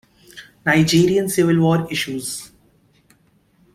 Nigerian civil war issues.